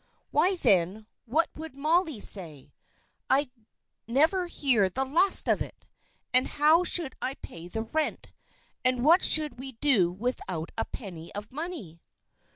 "Why, then, what would Molly say? I'd never hear the last of it! And how should I pay the rent? And what should we do without a penny of money?"